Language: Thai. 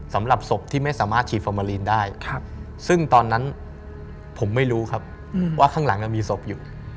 สำหรับศพที่ไม่สามารถฉีดฟอร์มาลีนได้ซึ่งตอนนั้นผมไม่รู้ครับว่าข้างหลังมีศพอยู่